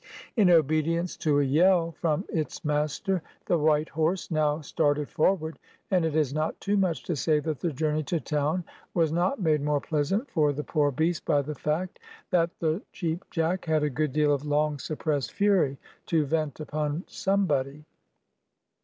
In obedience to a yell from its master, the white horse now started forward, and it is not too much to say that the journey to town was not made more pleasant for the poor beast by the fact that the Cheap Jack had a good deal of long suppressed fury to vent upon somebody.